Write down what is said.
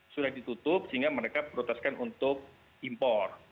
sudah ditutup sehingga mereka prioritaskan untuk impor